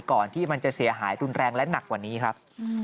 ก่อนที่มันจะเสียหายรุนแรงและหนักกว่านี้ครับ